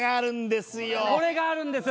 これがあるんですよ